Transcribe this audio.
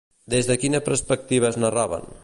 Des de quina perspectiva es narraven?